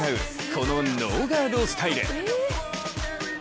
このノーガードスタイル。